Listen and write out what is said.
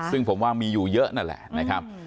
ซึ่งผมว่ามีอยู่เยอะนั่นแหละ